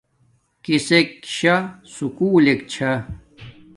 کسک شاہ سکُولک چھا